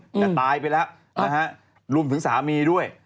จะตายไปแล้วรวมถึงสามีด้วย